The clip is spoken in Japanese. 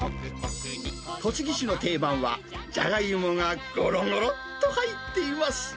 栃木市の定番は、じゃがいもがごろごろっと入っています。